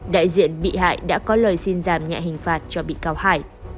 đại diện bị hại đã có lời xin giảm nhẹ hình phạt cho bị cáo hải